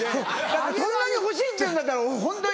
そんなに欲しいって言うんだったらホントに。